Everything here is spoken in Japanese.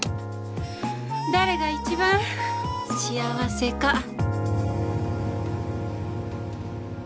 誰が一番幸せか。